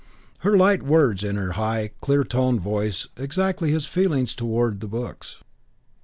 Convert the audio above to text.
Her light words in her high, clear tone voiced exactly his feelings towards the books.